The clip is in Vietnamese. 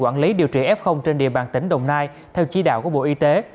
quản lý điều trị f trên địa bàn tỉnh đồng nai theo chỉ đạo của bộ y tế